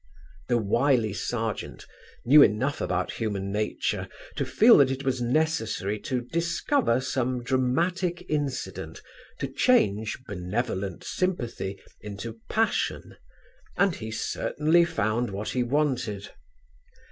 The wily Serjeant knew enough about human nature to feel that it was necessary to discover some dramatic incident to change benevolent sympathy into passion, and he certainly found what he wanted.